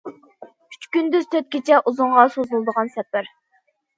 ئۈچ كۈندۈز، تۆت كېچە، ئۇزۇنغا سوزۇلغان سەپەر.